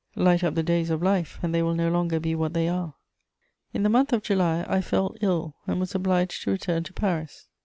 Light up the days of life, and they will no longer be what they are. In the month of July, I fell ill and was obliged to return to Paris.